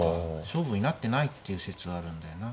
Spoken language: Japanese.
勝負になってないっていう説あるんだよな。